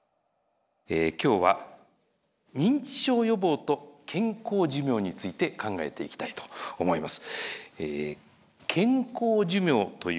今日は認知症予防と健康寿命について考えていきたいと思います。